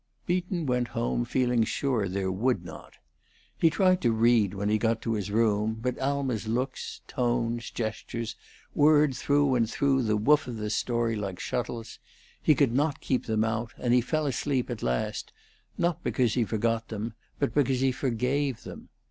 Beaton went home feeling sure there would not. He tried to read when he got to his room; but Alma's looks, tones, gestures, whirred through and through the woof of the story like shuttles; he could not keep them out, and he fell asleep at last, not because he forgot them, but because he forgave them.